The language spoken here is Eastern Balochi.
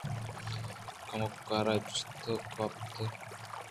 کمکار ءَ جست گپت